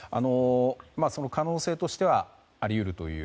可能性としてはあり得るという。